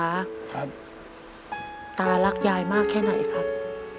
ตารักยายมากแค่ไหนครับ